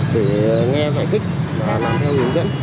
để nghe giải thích và làm theo hướng dẫn